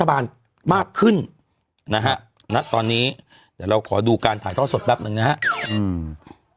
รัฐบาลมากขึ้นนะครับนะตอนนี้เดี๋ยวเราขอดูการถ่ายท่อสดแป๊บนึงนะครับ